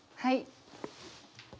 はい。